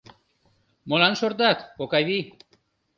— Молан шортат, Окавий?